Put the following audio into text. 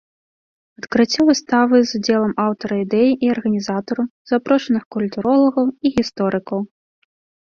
Адкрыццё выставы з удзелам аўтара ідэі і арганізатараў, запрошаных культуролагаў і гісторыкаў.